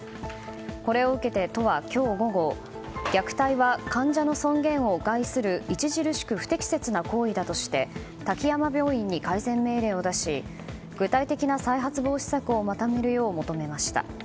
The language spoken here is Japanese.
これを受けて都は今日午後虐待は患者の尊厳を害する著しく不適切な行為だとして滝山病院に改善命令を出し具体的な再発防止策をまとめるよう求めました。